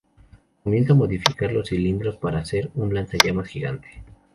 Comienzan a modificar los cilindros para hacer un lanzallamas gigante.